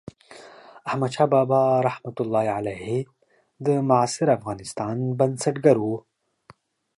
احمدشاه بابا رحمة الله علیه د معاصر افغانستان بنسټګر و.